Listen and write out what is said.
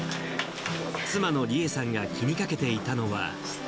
妻の利詠さんが気にかけていたのは。